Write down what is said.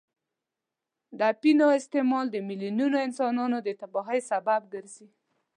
د اپینو استعمال د میلیونونو انسانان د تباهۍ سبب ګرځي.